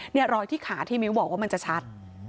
รอยที่ขาที่มิ้วบอกว่ามันจะชัด